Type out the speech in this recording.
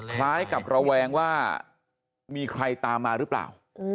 คล้ายกับระแวงว่ามีใครตามมาหรือเปล่า